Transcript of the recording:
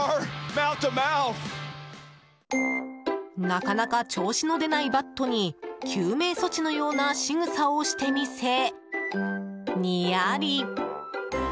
なかなか調子の出ないバットに救命措置のようなしぐさをしてみせ、ニヤリ。